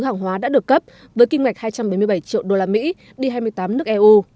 hàng hóa đã được cấp với kinh ngạch hai trăm bảy mươi bảy triệu usd đi hai mươi tám nước eu